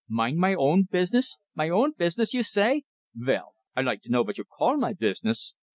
"Mind my own business? My own business, you say? Vell, I like to know vot you call my business!